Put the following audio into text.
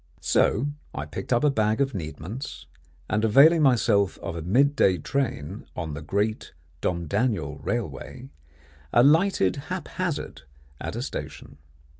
So I picked up a bag of needments, and availing myself of a mid day train on the Great Domdaniel Railway, alighted haphazard at a station.